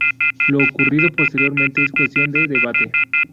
Lo ocurrido posteriormente es cuestión de debate.